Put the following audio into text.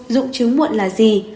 một dụng trứng muộn là gì